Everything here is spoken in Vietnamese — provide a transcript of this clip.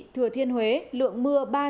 thừa thiên huế lượng mưa